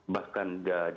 bahkan di atas pembayaran